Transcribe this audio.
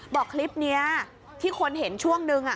บอกคลิปนี้ที่คนเห็นช่วงนึง